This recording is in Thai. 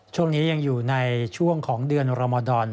ช่วงนี้ยังอยู่ในช่วงของเดือนรมดร